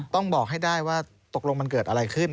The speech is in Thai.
ต้องบอกให้ได้ว่าตกลงมันเกิดอะไรขึ้น